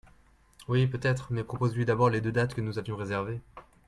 oui, peut-être mais propose lui d'abord les deux dates que nous avions réservé.